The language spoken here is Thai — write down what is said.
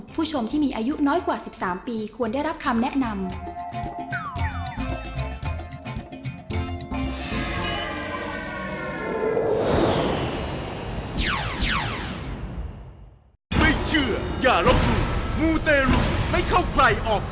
ผู้ชมที่มีอายุน้อยกว่า๑๓ปีควรได้รับคำแนะนำ